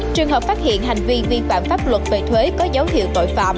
trường hợp phát hiện hành vi vi phạm pháp luật về thuế có dấu hiệu tội phạm